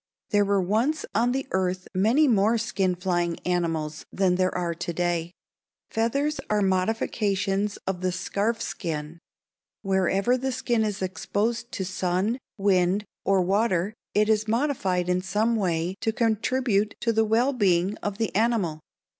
There were once on the earth many more skin flying animals than there are to day. Feathers are modifications of the scarf skin. Wherever the skin is exposed to sun, wind, or water it is modified in some way to contribute to the well being of the animal.